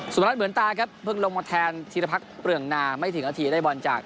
รัฐเหมือนตาครับเพิ่งลงมาแทนธีรพักษเปลืองนาไม่ถึงนาทีได้บอลจาก